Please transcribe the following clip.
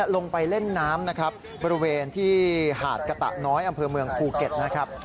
ลงไปเล่นน้ำนะครับบริเวณที่หาดกะตะน้อยอำเภอเมืองภูเก็ตนะครับ